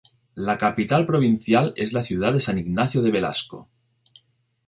La capital provincial es la ciudad de San Ignacio de Velasco.